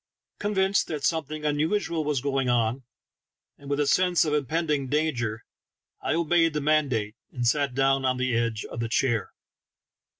Convinced that some thing unusual was going on, and with a sense of impending danger, I obeyed the mandate, and sat down on the edge of the chair.